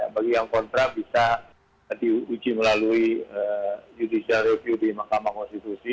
bagi yang kontra bisa diuji melalui judicial review di mahkamah konstitusi